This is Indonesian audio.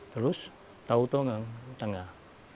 terus tau tau tengah